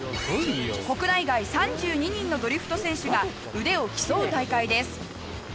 国内外３２人のドリフト選手が腕を競う大会です。